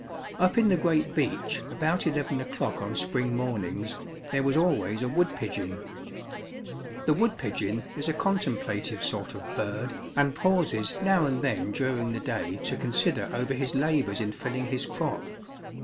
Up in the great beech about eleven o'clock on spring mornings there was always a wood pigeon. The wood pigeon is a contemplative sort of bird, and pauses now and then during the day to consider over his labours in filling his crop.